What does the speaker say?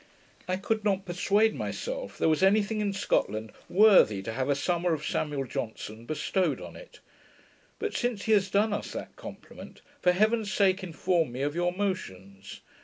I could not persuade myself there was any thing in Scotland worthy to have a Summer of Samuel Johnson bestowed on it; but since he has done us that compliment, for heaven's sake inform me of your motions.